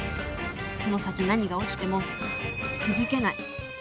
この先何が起きてもくじけない。